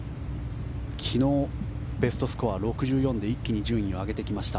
昨日、ベストスコア６４で一気に順位を上げてきました